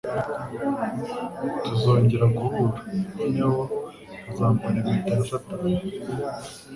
Tuzongera guhura. Noneho uzambara impeta ya satani ...